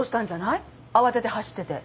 慌てて走ってて。